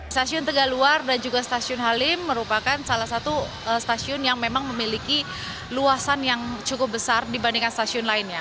stasiun tegaluar dan juga stasiun halim merupakan salah satu stasiun yang memang memiliki luasan yang cukup besar dibandingkan stasiun lainnya